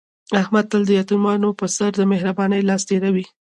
احمد تل د یتیمانو په سر د مهر بانۍ لاس تېروي.